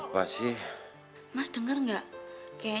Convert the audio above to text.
pero tidak terdengar bahasa lima puluh enam